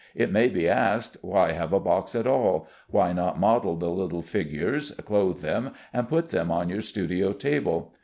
It may be asked: Why have a box at all? Why not model the little figures, clothe them, and put them on your studio table?